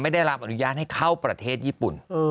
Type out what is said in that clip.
ได้รับอนุญาตให้เข้าประเทศญี่ปุ่น